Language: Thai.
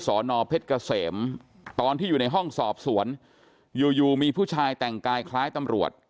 นเพชรเกษมตอนที่อยู่ในห้องสอบสวนอยู่อยู่มีผู้ชายแต่งกายคล้ายตำรวจ